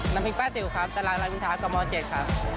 น้ำพิงป้าติ๋วครับตลาดน้ำพิงท้ากับม๗ครับ